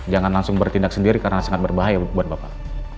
jangan langsung bertindak sendiri karena sangat berbahaya buat bapak